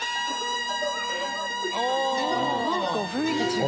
なんか雰囲気違う。